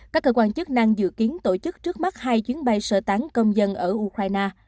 các cơ quan chức năng dự kiến tổ chức trước mắt hai chuyến bay sơ tán công dân ở ukraine